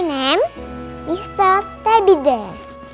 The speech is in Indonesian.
nama saya mr teddy bear